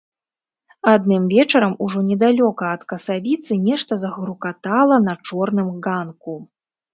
Адным вечарам, ужо недалёка ад касавіцы, нешта загрукатала на чорным ганку.